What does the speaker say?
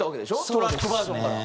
トラックバージョンから。